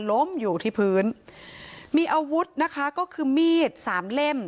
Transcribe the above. ล้มอยู่ที่พื้นมีอาวุธนะคะก็คือมีดสามเล่ม